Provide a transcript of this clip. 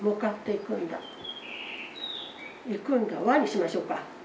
「行くんだわ」にしましょうか。